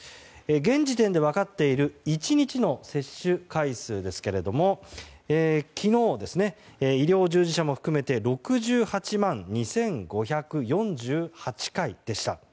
現時点で分かっている１日の接種回数ですけど昨日、医療従事者も含めて６８万２５４８回でした。